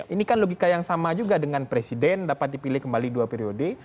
ini kan logika yang sama juga dengan presiden dapat dipilih kembali dua periode